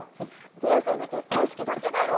人生で結婚式だけだよ？